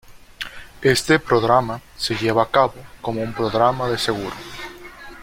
Este programa se lleva a cabo como un programa de seguro.